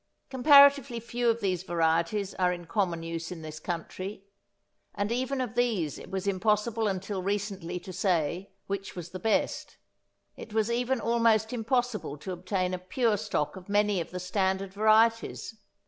Comparatively few of these varieties are in common use in this country, and even of these it was impossible until recently to say which was the best. It was even almost impossible to obtain a pure stock of many of the standard varieties.